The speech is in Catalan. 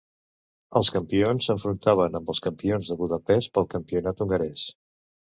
Els campions s'enfrontaven amb els campions de Budapest pel campionat hongarès.